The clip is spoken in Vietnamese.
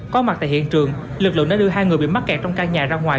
có mặt tại hiện trường lực lượng đã đưa hai người bị mắc kẹt trong căn nhà ra ngoài